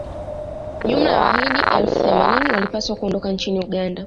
jumla ya wahidi elfu themanini walipaswa kuondoka nchini uganda